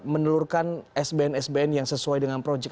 menelurkan sbn sbn yang sesuai dengan projec